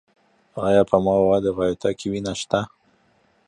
ایا په موادو غایطه کې وینه شته؟